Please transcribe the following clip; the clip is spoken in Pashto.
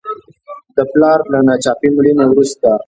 د پلار له ناڅاپي مړینې وروسته.